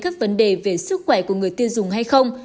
các vấn đề về sức khỏe của người tiêu dùng hay không